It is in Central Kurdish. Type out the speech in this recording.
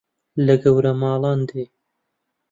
لە گەورە ماڵان دێ